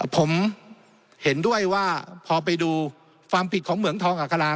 ผมเห็นด้วยว่าพอไปดูความผิดของเหมืองทองอัครา